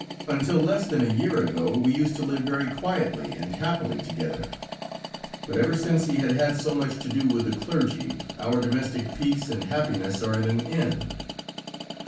Until less than a year ago, we used to live very quietly and happily together, but ever since he has had so much to do with the clergy, our domestic peace and happiness are at an end."